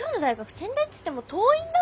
仙台っつっても遠いんだもん。